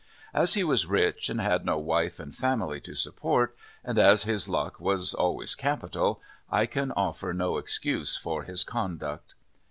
As he was rich and had no wife and family to support, and as his luck was always capital, I can offer no excuse for his conduct.